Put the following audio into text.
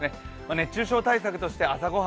熱中症対策として朝ご飯